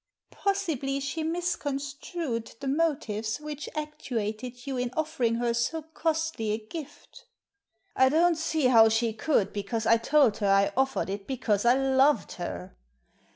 "Possibly she misconstrued the motives which actuated you in offering her so costly a gift." "I don't see how she could, because I told her I offered it because I loved her."